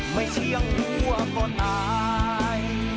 ไม่เชี่ยงวั๊บก็ตาย